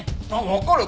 わかる！